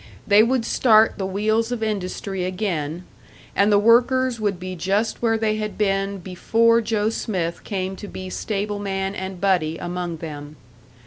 They would start the wheels of industry again, and the workers would be just where they had been before Joe Smith came to be stableman and buddy among them.